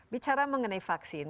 bicara mengenai vaksin